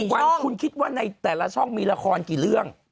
วันคุณคิดว่าในแต่ละช่องมีละครกี่เรื่อง